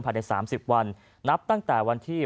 อยู่ใน๓๐วันนับตั้งแต่วันนี้